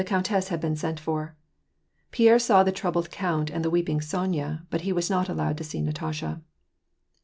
countess had been sent for. Pierre saw the troubled count and the weeping Sonja, but he was not allowed to see Natasha.